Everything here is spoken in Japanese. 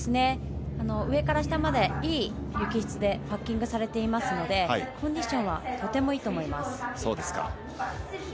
上から下までいい雪質でパッキングされているのでコンディションはとてもいいと思います。